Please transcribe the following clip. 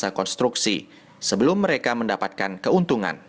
masa konstruksi sebelum mereka mendapatkan keuntungan